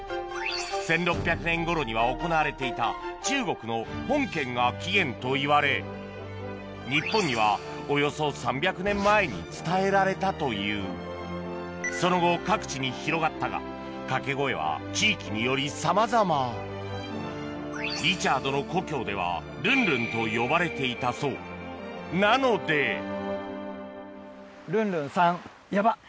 １６００年頃には行われていた中国の本拳が起源といわれ日本にはおよそ３００年前に伝えられたというその後各地に広がったが掛け声は地域によりさまざまリチャードの故郷では「ルンルン」と呼ばれていたそうなのでルンルン３。ヤバっ。